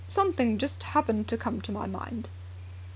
Something just happened to come to my mind."